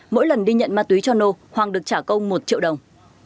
mỗi lần đi nhận ma túy cho nô hoàng được trả công một triệu đồng